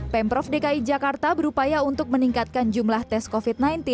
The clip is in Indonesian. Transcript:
pemprov dki jakarta berupaya untuk meningkatkan jumlah tes covid sembilan belas